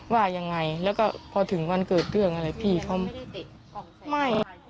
ว่ายังไงแล้วก็พอถึงวันเกิดเรื่องอะไรพี่เขาไม่